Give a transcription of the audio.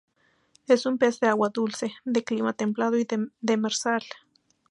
Es un pez de agua dulce, de clima templado y demersal.